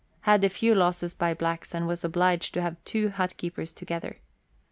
Had a few losses by Macks, and was obliged to have two hut keepers together.